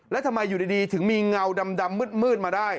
แล้วทำไมอยู่ดีถึงมีเงาดำมืดมาได้